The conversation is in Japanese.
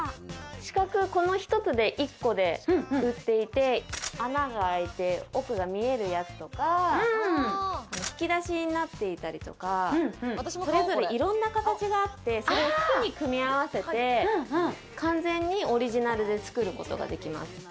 四角、この一つで売っていて、穴が開いておくが見えるやつとか、引き出しになっていたりとか、いろんな形があってそれを好きに組み合わせて完全にオリジナルで作ることができます。